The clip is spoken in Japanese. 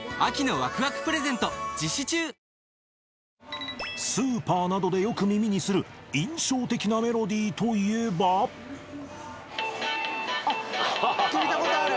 わぁスーパーなどでよく耳にする印象的なメロディーといえばあっ聴いたことある。